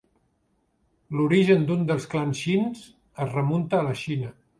L'origen d'un dels clans shin es remunta a la Xina.